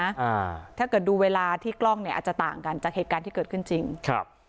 อ่าถ้าเกิดดูเวลาที่กล้องเนี้ยอาจจะต่างกันจากเหตุการณ์ที่เกิดขึ้นจริงครับ